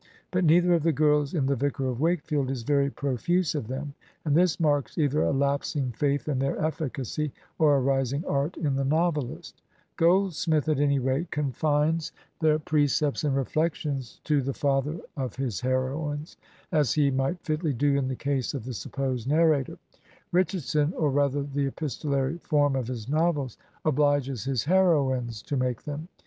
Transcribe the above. But neither of the girls in "The Vicar of Wakefield " is very profuse of them, and this marks either a lapsing faith in their efl&cacy, or a rising art in the novelist. Goldsmith, at any rate, confines the pre 10 Digitized by VjOOQIC SOME NINETEENTH CENTURY HEROINES cepts and reflections to the father of his heroines, as he might fitly do in the case of the supposed narrator; Richardson, or rather the epistolary form of his novels, obUges his heroines to make them.